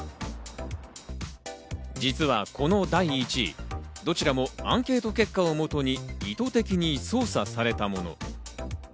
実はこの第１位、どちらもアンケート結果をもとに意図的に操作されたもの。